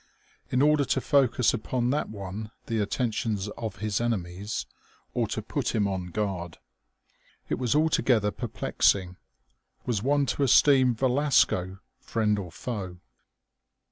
In order to focus upon that one the attentions of his enemies? Or to put him on guard? It was altogether perplexing. Was one to esteem Velasco friend or foe?